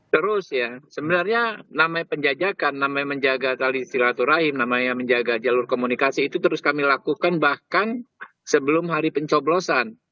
terus ya sebenarnya namanya penjajakan namanya menjaga tali silaturahim namanya menjaga jalur komunikasi itu terus kami lakukan bahkan sebelum hari pencoblosan